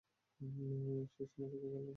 সে সমুচা খুব ভালো বানায়।